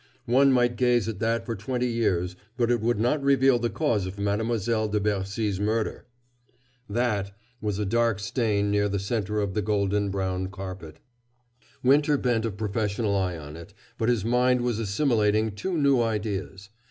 One might gaze at that for twenty years, but it would not reveal the cause of Mademoiselle de Bercy's murder." "That" was a dark stain near the center of the golden brown carpet. Winter bent a professional eye on it, but his mind was assimilating two new ideas.